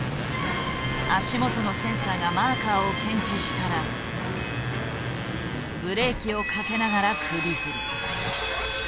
足元のセンサーがマーカーを検知したらブレーキをかけながら首振り。